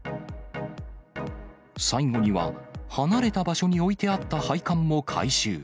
最後には、離れた場所に置いてあった配管も回収。